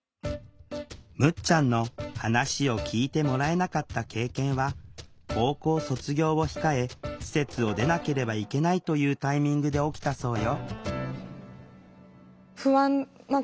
むっちゃんの話を聴いてもらえなかった経験は高校卒業を控え施設を出なければいけないというタイミングで起きたそうよ